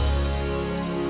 hidup ujang hidup ujang